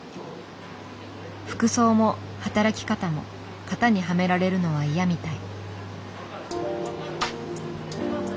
服装も働き方も型にはめられるのは嫌みたい。